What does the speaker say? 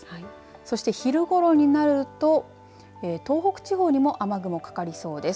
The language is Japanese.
そして昼ごろになると東北地方にも雨雲かかりそうです。